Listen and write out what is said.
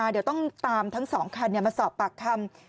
เดี๋ยวต้องตามทั้ง๒คันมาสอบปากคำ